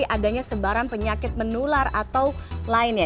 jadi adanya sebarang penyakit menular atau lainnya